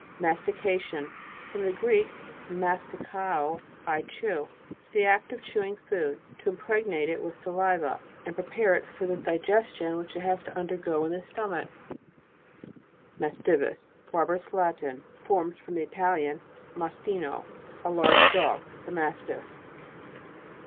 MASTICATION. From the Greek, mas tichao, I chew. The act of chew ing food, to impregnate it with sali va, and prepare it for the digestion it has to undergo in the stomach. MASTIVUS. Barbarous Latin, formed from the Italian, mastino, a large dog. The mastiff.